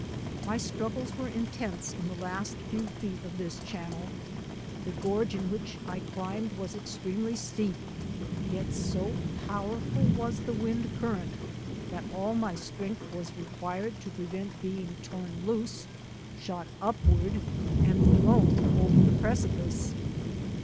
My struggles were intense in the last few feet of this channel. The gorge in which I climbed was ex tremely steep, yet so powerful was the wind current that all my strength was required to prevent being torn loose, shot upward, and thrown over the pre cipice.